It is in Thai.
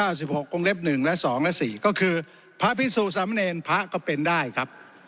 ๙๖วงเล็บ๑และ๒และ๔ก็คือพระพิสูจน์สำเนญพระก็เป็นได้ครับ